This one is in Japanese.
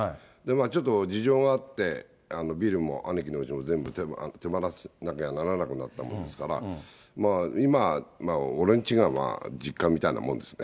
ちょっと事情があって、ビルも兄貴のうちも全部手放さなきゃならなくなったものですから、今、俺んちが、まあ、実家みたいなもんですね。